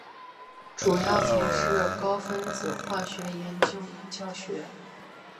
主要从事高分子化学研究与教学。